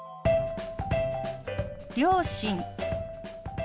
「両親」。